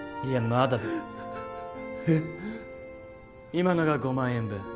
今のが５万円分。